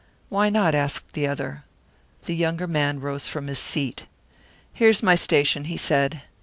"Why not?" asked the other. The younger man rose from his seat. "Here's my station," he said.